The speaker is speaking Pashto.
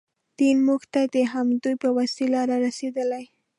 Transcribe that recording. دین موږ ته د همدوی په وسیله رارسېدلی.